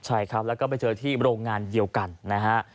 ใช่ครับแล้วก็ไปเจอที่โรงงานเดียวกันนะฮะ